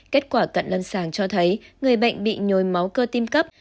kết quả cận lâm sàng cho thấy người bệnh bị nhồi máu cơ tim cấp